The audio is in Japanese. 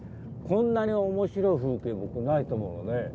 こんなに面白い風景僕ないと思うのね。